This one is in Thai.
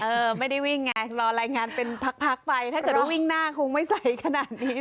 ไม่ได้วิ่งไงรอรายงานเป็นพักไปถ้าเกิดว่าวิ่งหน้าคงไม่ใส่ขนาดนี้